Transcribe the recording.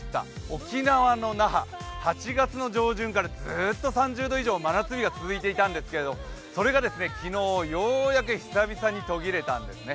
沖縄の那覇、８月の上旬からずっと３０度以上、真夏日が続いていたんですけれどもそれが昨日、ようやく久々に途切れたんですね。